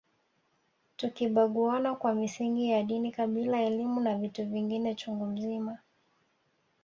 Tukibaguana kwa misingi ya dini kabila elimu na vitu vingine chungu mzima